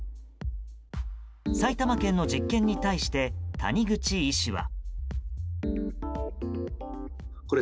埼玉県の実験に対して谷口医師は。